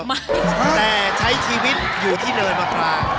แต่ใช้ชีวิตอยู่ที่เนินมะปราง